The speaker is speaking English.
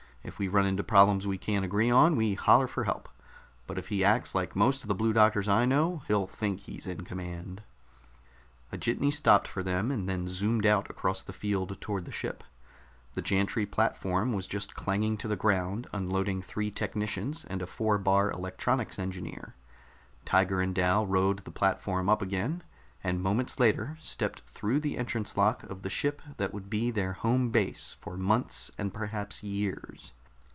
If we run into problems we can't agree on, we holler for help. But if he acts like most of the Blue Doctors I know, he'll think he's in command." A jitney stopped for them, and then zoomed out across the field toward the ship. The gantry platform was just clanging to the ground, unloading three technicians and a Four bar Electronics Engineer. Tiger and Dal rode the platform up again and moments later stepped through the entrance lock of the ship that would be their home base for months and perhaps years.